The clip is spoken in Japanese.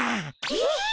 えっ？